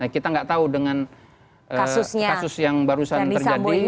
kita nggak tahu dengan kasus yang barusan terjadi